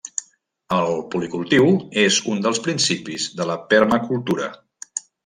El policultiu és un dels principis de la permacultura.